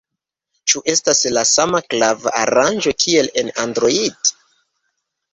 Ĉu estas la sama klav-aranĝo kiel en Android?